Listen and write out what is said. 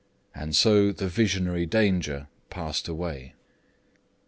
And so the visionary danger passed away.